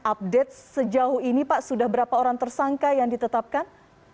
update sejauh ini pak sudah berapa orang tersangka yang ditetapkan